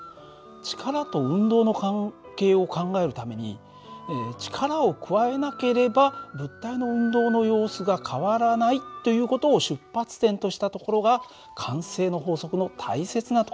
力と運動の関係を考えるために力を加えなければ物体の運動の様子が変わらないという事を出発点としたところが慣性の法則の大切なところなんです。